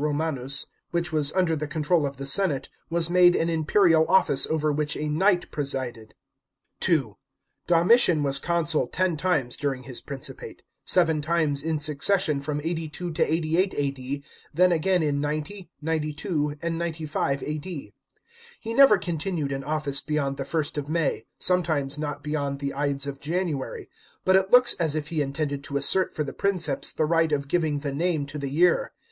Rom.}, which was under the control of the senate, was made an imperial office over which a knight presided. (2) Domitian was consul ten times during his principate; seven times in succession from 82 to 88 A.D., then apain iu 90, 92, and 95 A.D. He never continued in office beyond the 1st of May, some times not beyond the Ides of January, but it looks as if he intended to assert for the Princeps the right of giving the name to the year.